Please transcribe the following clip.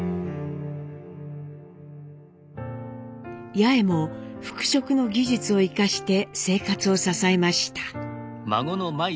八重も服飾の技術を生かして生活を支えました。